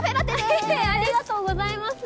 はははっありがとうございます。